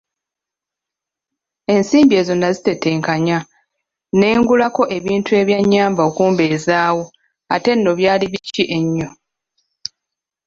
Ensimbi ezo nnazitetenkanya ne ngulako ebintu ebyannyamba okumbezaawo ate nno byali biki ennyo!